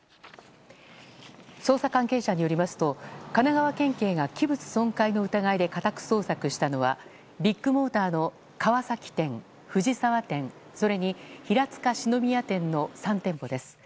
捜査関係者によりますと神奈川県警が器物損壊の疑いで家宅捜索したのはビッグモーターの川嵜店、藤沢店それに平塚四之宮店の３店舗です。